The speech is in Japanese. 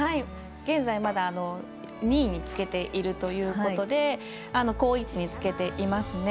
現在、まだ２位につけているということで好位置につけています。